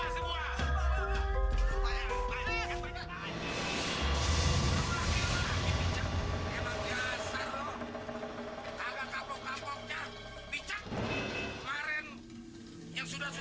tapi sekarang gak ada bertampung lagi